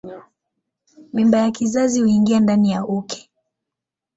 Mimba ya kizazi huingia ndani ya uke.